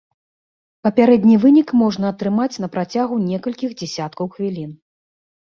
Папярэдні вынік можна атрымаць на працягу некалькіх дзясяткаў хвілін.